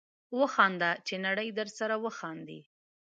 وخانده چې نړۍ درسره وخاندي